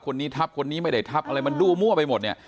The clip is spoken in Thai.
คนนี้ทับคนนี้ไม่ได้ทับอะไรมันดูมั่วไปหมดเนี่ย